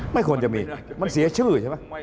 ไม่ควรจะมีมันเสียชื่อใช่ไหม